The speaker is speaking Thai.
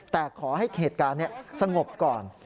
แต่ขอให้เหตุการณ์สงบก่อน